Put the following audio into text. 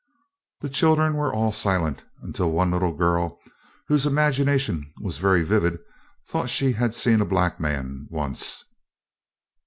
The children were all silent, until one little girl, whose imagination was very vivid, thought she had seen a black man, once.